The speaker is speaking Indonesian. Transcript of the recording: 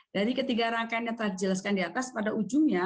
dari ketiga rangkaian yang telah dijelaskan di atas pada ujungnya